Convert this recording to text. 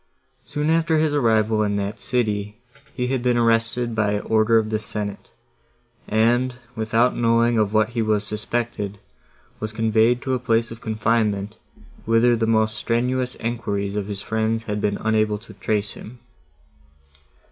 Soon after his arrival in that city, he had been arrested by order of the Senate, and, without knowing of what he was suspected, was conveyed to a place of confinement, whither the most strenuous enquiries of his friends had been unable to trace him.